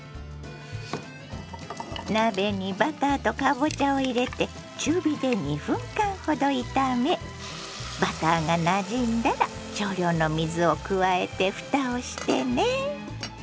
鍋にバターとかぼちゃを入れて中火で２分間ほど炒めバターがなじんだら少量の水を加えてふたをしてね。